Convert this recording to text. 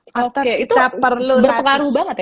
oke itu berpengaruh banget ya